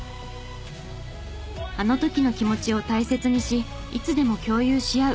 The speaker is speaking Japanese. あの時の気持ちを大切にしいつでも共有し合う。